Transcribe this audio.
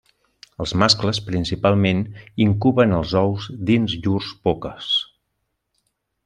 Els mascles, principalment, incuben els ous dins llurs boques.